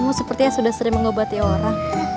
kamu sepertinya sudah sering mengobati orang